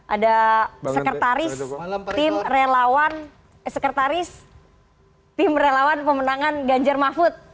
ada sekretaris tim relawan pemenangan ganjar mahfud